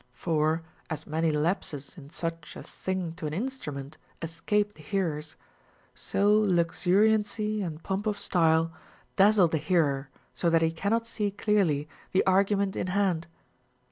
For, as many lapses in such as sing to an instrument escape the hearers, so luxuriancy and pomp of style dazzle the hearer so that he cannot see clearly the argument in hand.